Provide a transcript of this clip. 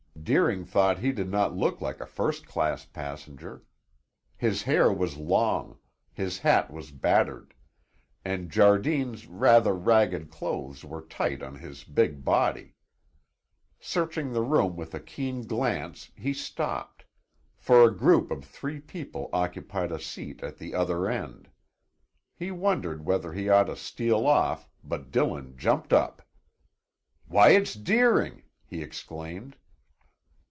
Deering thought he did not look like a first class passenger. His hair was long, his hat was battered, and Jardine's rather ragged clothes were tight on his big body. Searching the room with a keen glance, he stopped, for a group of three people occupied a seat at the other end. He wondered whether he ought to steal off, but Dillon jumped up. "Why, it's Deering!" he exclaimed.